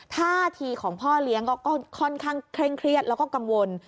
ท่าทีของพ่อเลี้ยงก็ค่อนข้างเคร่งเครียดแล้วก็กังวล